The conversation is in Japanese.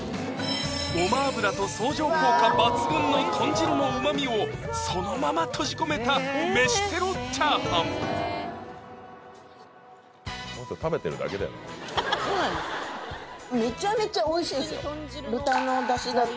ごま油と相乗効果抜群の豚汁のうまみをそのまま閉じ込めた飯テロチャーハンめちゃめちゃ美味しいですよ！